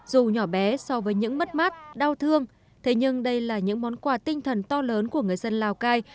dù nhỏ bé so với những mất mát đau thương thế nhưng đây là những món quà tinh thần to lớn của người dân lào cai